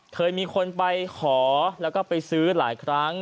เคยมีคนไปขอแล้วก็ไปซื้อหลายครั้ง